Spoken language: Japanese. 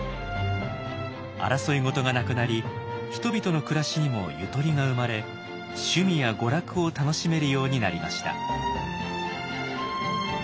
争い事がなくなり人々の暮らしにもゆとりが生まれ趣味や娯楽を楽しめるようになりました。